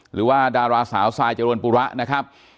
หรือว่าดาราสาวทรายเจริญปุระนะครับ